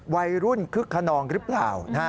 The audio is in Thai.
วัยรุ่นคึกขนองหรือเปล่า